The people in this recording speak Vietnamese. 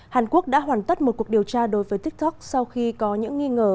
hàn quốc đã hoàn tất một cuộc điều tra đối với tiktok sau khi có những nghi ngờ